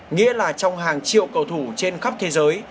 nghĩa là trong hàng triệu cầu thủ trên khắp thế giới